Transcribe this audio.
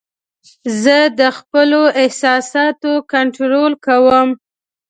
زه د خپلو احساساتو کنټرول کوم.